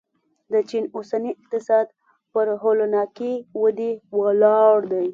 د چین اوسنی اقتصاد پر هولناکې ودې ولاړ دی.